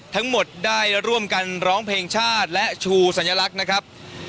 ทั้งหมดได้ร่วมกันร้องเพลงชาติและชูสัญลักษณ์นะครับ